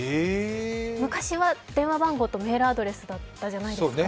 昔は電話番号とメールアドレスだったじゃないですか。